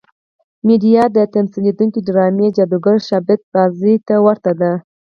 میډیا د تمثیلېدونکې ډرامې جادوګرې شعبده بازۍ ته ورته ده.